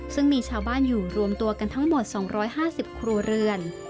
ซึ่งมีชาวบ้านอยู่รวมตัวกันทั้งหมด๒๕๐ครัวเรือน